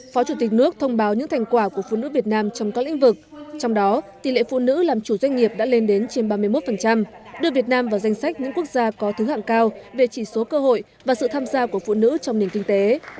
phó chủ tịch nước thông báo những thành quả của phụ nữ việt nam trong các lĩnh vực trong đó tỷ lệ phụ nữ làm chủ doanh nghiệp đã lên đến trên ba mươi một đưa việt nam vào danh sách những quốc gia có thứ hạng cao về chỉ số cơ hội và sự tham gia của phụ nữ trong nền kinh tế